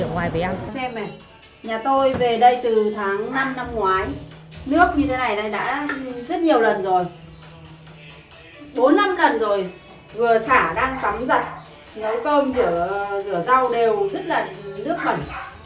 nấu cơm rửa rau đều rất là nước bẩn